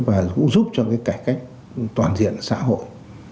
và cũng giúp cho cái cải cách toàn diện xã hội